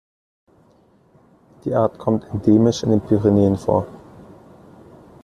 Die Art kommt endemisch in den Pyrenäen vor.